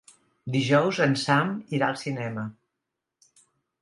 Dijous en Sam irà al cinema.